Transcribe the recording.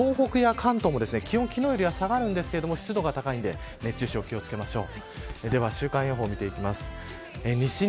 東北や関東も気温は昨日より下がるんですが湿度が高いので熱中症に気を付けましょう。